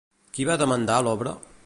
Qui va demandar l'obra?